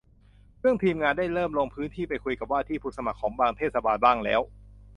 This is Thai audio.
ซึ่งทีมงานได้เริ่มลงพื้นที่ไปคุยกับว่าที่ผู้สมัครของบางเทศบาลบ้างแล้ว